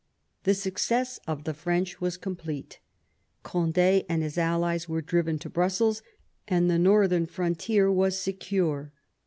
The success of the French was complete; Cond^ and his allies were driven to Brussels, and the northern frontier was secure.